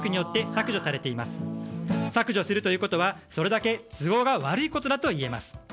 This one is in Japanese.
削除するということは、それだけ都合が悪いことだといえます。